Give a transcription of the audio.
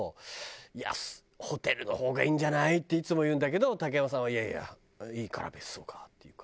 「いやホテルの方がいいんじゃない？」っていつも言うんだけど竹山さんは「いやいやいいから別荘が」って言うから。